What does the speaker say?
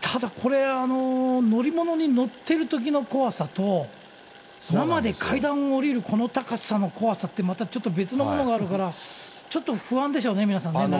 ただこれ、乗り物に乗ってるときの怖さと、生で階段下りる、この高さの怖さっていうのは、またちょっと別のものがあるから、ちょっと不安でしょうね、皆さんね。